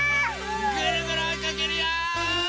ぐるぐるおいかけるよ！